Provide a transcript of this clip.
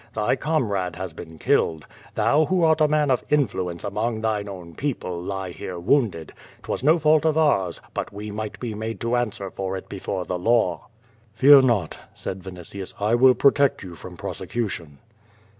Thy comrade has been killed. Thou who art a man of influence among thine own ])eople lie here wounded. 'Twas no fault of ours, but we might be made to answer for it before the law." "Fear not," said Vinitius. "I will protect you from prose cution."